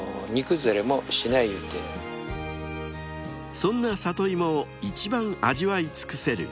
［そんなサトイモを一番味わい尽くせる